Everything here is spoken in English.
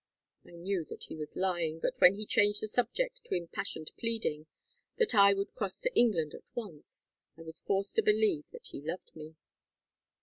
I knew that he was lying, but when he changed the subject to impassioned pleading that I would cross to England at once, I was forced to believe that he loved me.